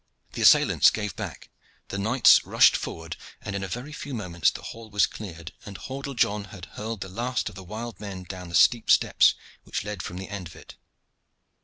The assailants gave back, the knights rushed forward, and in a very few moments the hall was cleared, and Hordle John had hurled the last of the wild men down the steep steps which led from the end of it.